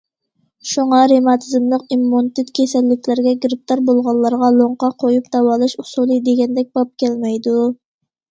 شۇڭا رېماتىزملىق ئىممۇنىتېت كېسەللىكلەرگە گىرىپتار بولغانلارغا لوڭقا قويۇپ داۋالاش ئۇسۇلى دېگەندەك باب كەلمەيدۇ.